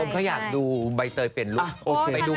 ผมก็อยากดูใบเตยเปลี่ยนลูก